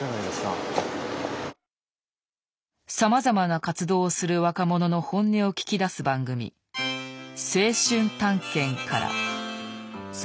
さまざまな活動をする若者の本音を聞き出す番組「青春探検」から。